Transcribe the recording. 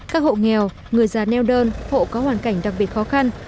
các hộ nghèo người già neo đơn hộ có hoàn cảnh đặc biệt khó khăn